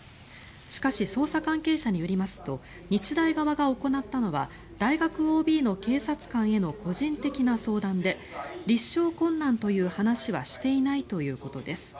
しかし、捜査関係者によりますと日大側が行ったのは大学ＯＢの警察官への個人的な相談で立証困難という話はしていないということです。